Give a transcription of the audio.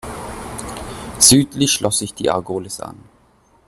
Südlich schloss sich die Argolis an.